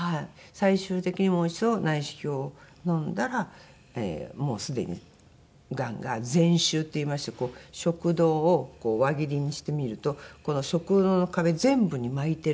最終的にもう一度内視鏡をのんだらもうすでにがんが全周っていいましてこう食道を輪切りにしてみるとこの食道の壁全部に巻いてる。